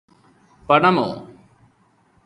പണമോ